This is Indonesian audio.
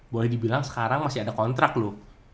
boleh dibilang sekarang masih ada kontrak loh